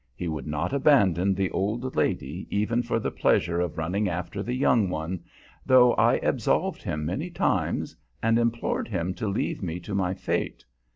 He would not abandon the old lady even for the pleasure of running after the young one, though I absolved him many times, and implored him to leave me to my fate.